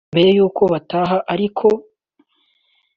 Mbere y'uko bataha ariko